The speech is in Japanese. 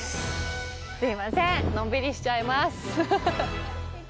すいません、のんびりしちゃいます。